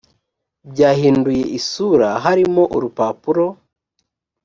byahinduye isura harimo urupapuro